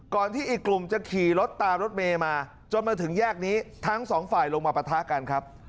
ที่อีกกลุ่มจะขี่รถตามรถเมย์มาจนมาถึงแยกนี้ทั้งสองฝ่ายลงมาปะทะกันครับ